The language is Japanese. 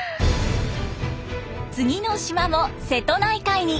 次の島も瀬戸内海に。